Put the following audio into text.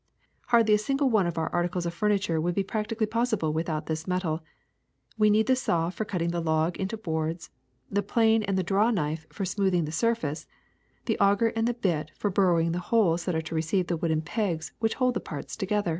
Hardly a single one of our articles of furniture would be practically possible without this metal: we need the saw for cutting the log into boards, the plane and the draw knife for smoothing the surface, the auger and the bit for bor ing the holes that are to receive the wooden pegs which hold the parts together.